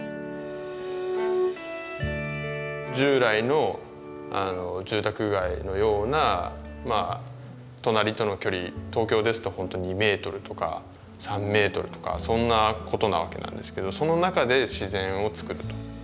従来の住宅街のような隣との距離東京ですと本当２メートルとか３メートルとかそんなことなわけなんですけどその中で自然を作ると。